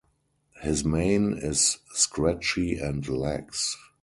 His mane is scratchy and lax.